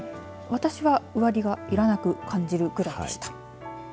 私は上着がいらなく感じるぐらいでした。